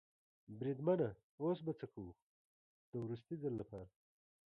بریدمنه اوس به څه کوو؟ د وروستي ځل لپاره.